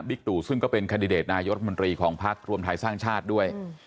ตู่ซึ่งก็เป็นคันดิเดตนายกรัฐมนตรีของพักรวมไทยสร้างชาติด้วย